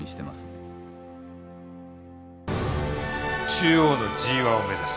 中央のＧⅠを目指す。